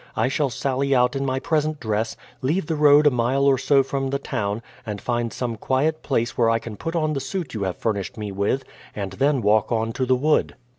I shall sally out in my present dress, leave the road a mile or so from the town, and find some quiet place where I can put on the suit you have furnished me with, and then walk on to the wood."